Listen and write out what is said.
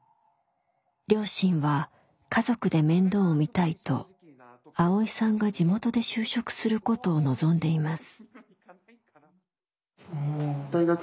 両親は家族で面倒を見たいとアオイさんが地元で就職することを望んでいます。